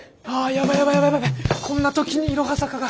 あヤバいヤバいこんな時にいろは坂が。